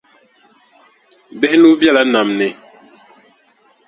Bihi nuu bela nam ni.